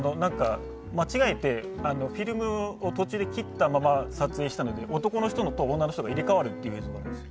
間違えてフィルムを途中で切ったまま撮影したので、男の人と女の人が入れ替わるという映像があるんです。